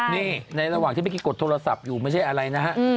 นี่ในระหว่างที่เมื่อกี้กดโทรศัพท์อยู่ไม่ใช่อะไรนะฮะ